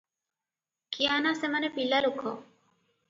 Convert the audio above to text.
କିଆଁ ନା ସେମାନେ ପିଲାଲୋକ ।